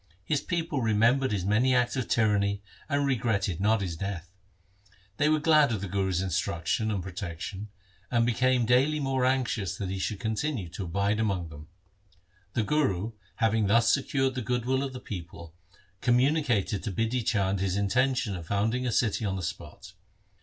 His people remembered his many acts of tyranny and regretted not his death. They were glad of the Guru's instruction and pro tection, and became daily more anxious that he should continue to abide among them. The Guru, having thus secured the goodwill of the people, communicated to Bidhi Chand his inten tion of founding a city on the spot.